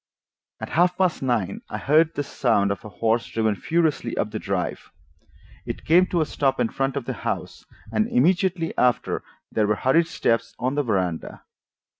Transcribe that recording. At half past nine I heard the sound of a horse driven furiously up the drive. It came to a stop in front of the house, and immediately after there were hurried steps on the veranda.